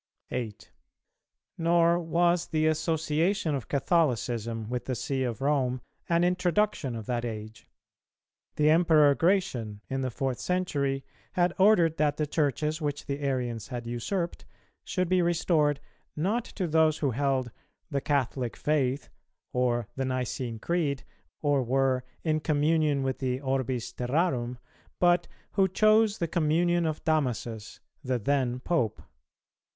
8. Nor was the association of Catholicism with the See of Rome an introduction of that age. The Emperor Gratian, in the fourth century, had ordered that the Churches which the Arians had usurped should be restored (not to those who held "the Catholic faith," or "the Nicene Creed," or were "in communion with the orbis terrarum,") but "who chose the communion of Damasus,"[282:3] the then Pope.